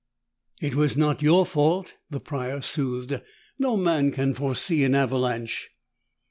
"It was not your fault," the Prior soothed. "No man can foresee an avalanche."